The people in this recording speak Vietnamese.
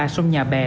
sông nhà bè